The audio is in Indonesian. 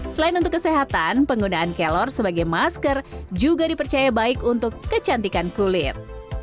selain untuk kesehatan penggunaan kelor sebagai masker juga dipercaya baik untuk kecantikan kulit